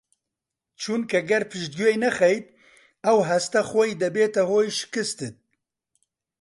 چونکە گەر پشتگوێی نەخەیت ئەو هەستە خۆی دەبێتە هۆی شکستت